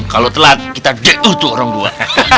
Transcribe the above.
kalau telat kita diutuh orang tua